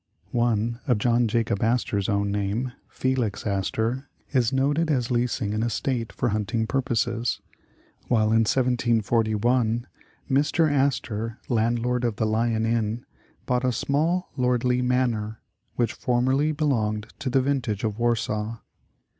One of John Jacob Astor'a own name, Felix Astor, is noted as leasing an estate for hunting purposes; while in 1741, "Mr. Astor, landlord of the Lion Inn" bought a "small lordlj^ Manor," which formerly belonged to the vintage of Wersau.